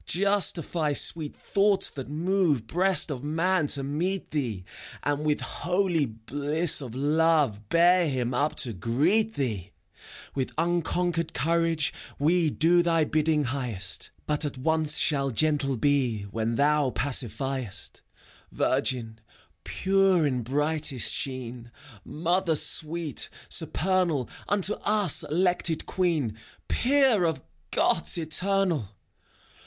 Justify sweet thoughts that move Breast of man to meet thee. And with holy bliss of love Bear him up to greet thee ! With unconquered courage we Do thy bidding highest; ACT V, 255 Bnt at once shall gentle be. When thon paeifiest. Yirgiiiy pure in brightest sheen. Mother sweet, supernal, — Unto ns Elected Queen, Peer of Gods Eternal